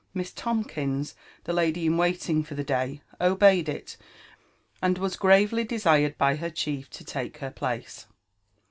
Miss Tomkins, the lady in waiting for the day, obeyed it, and was gravoly desired by her chief to take her place.